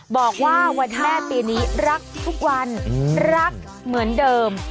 บอกว่าวันแม่ปีนี้รักทุกวันรักเหมือนเดิม